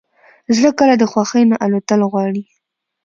زړه کله د خوښۍ نه الوتل غواړي.